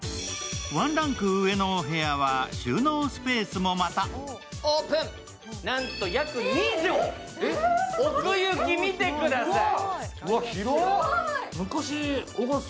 ワンランク上のお部屋は収納スペースもまた奥行き、見てください。